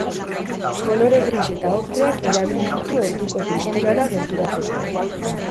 Kolore gris eta okreak erabili ditu orduko tristurara gerturatzeko.